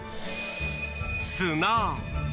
砂！